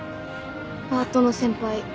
パートの先輩。